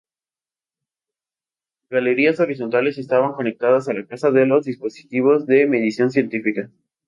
Galerías horizontales estaban conectadas a la casa de los dispositivos de medición científica.